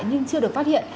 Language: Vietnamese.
nhưng chưa được phát hiện